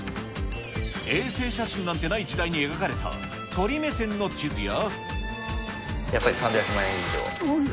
衛星写真なんてない時代に描かれた鳥目線の地図や。